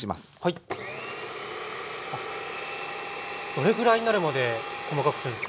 どれぐらいになるまで細かくするんですか？